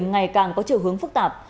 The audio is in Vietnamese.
ngày càng có chiều hướng phức tạp